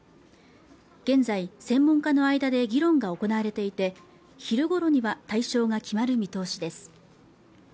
現在専門家の間で議論が行われていて昼ごろには対象が決まる見通しです